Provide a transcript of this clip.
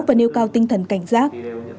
và nêu cao tinh thần cảnh giác